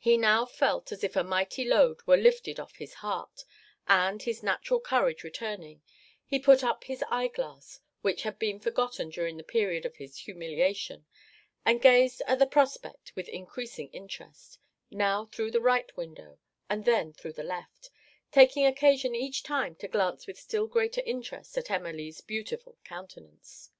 He now felt as if a mighty load were lifted off his heart, and, his natural courage returning, he put up his eyeglass, which had been forgotten during the period of his humiliation, and gazed at the prospect with increasing interest now through the right window, and then through the left taking occasion each time to glance with still greater interest at Emma Lee's beautiful countenance.